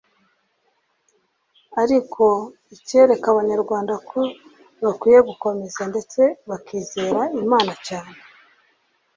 ariko ikereka Abanyarwanda ko bakwiye gukomera ndetse bakizera Imana cyane